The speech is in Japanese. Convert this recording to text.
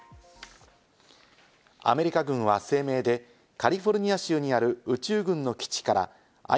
アメリカ軍は声明で、カリフォルニア州にある宇宙軍の基地からＩＣＢＭ